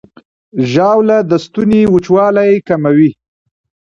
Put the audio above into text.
ژاوله د ستوني وچوالی کموي.